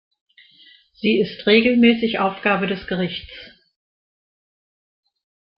Sie ist regelmäßig Aufgabe des Gerichts.